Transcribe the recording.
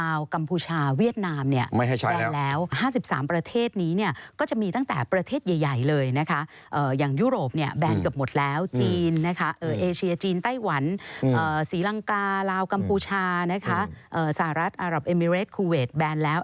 อัศวินิยาลาวกัมพูชาสหรัฐอารับเอมิเรตคูเวทแบนแล้ว